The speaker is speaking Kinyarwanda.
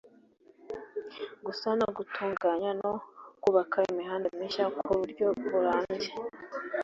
gusana, gutunganya no kubaka imihanda mishya ku buryo burambye